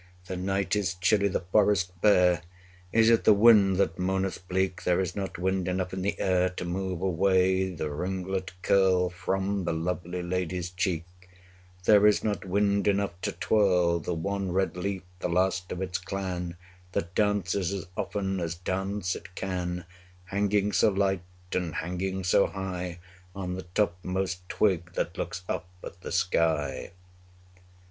The night is chill; the forest bare; Is it the wind that moaneth bleak? There is not wind enough in the air 45 To move away the ringlet curl From the lovely lady's cheek There is not wind enough to twirl The one red leaf, the last of its clan, That dances as often as dance it can, 50 Hanging so light, and hanging so high, On the topmost twig that looks up at the sky.